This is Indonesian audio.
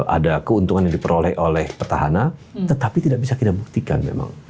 ada keuntungan yang diperoleh oleh petahana tetapi tidak bisa kita buktikan memang